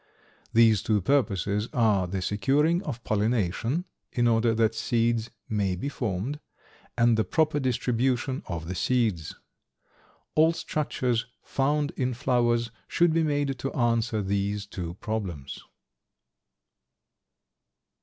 These two purposes are the securing of pollination, in order that seeds may be formed, and the proper distribution of the seeds. All structures found in flowers should be made to answer these two problems.